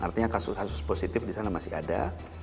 artinya kasus kasus positif di sana masih ada